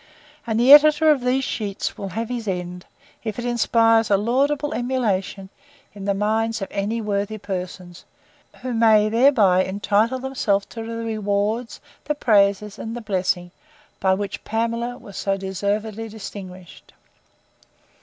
And the Editor of these sheets will have his end, if it inspires a laudable emulation in the minds of any worthy persons, who may thereby entitle themselves to the rewards, the praises, and the blessings, by which PAMELA was so deservedly distinguished.